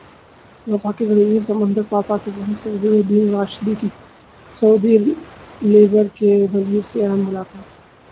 وفاقی وزیر سمندر پار پاکستانی صدر الدین راشدی کی سعودی لیبر کے وزیر سے اہم ملاقات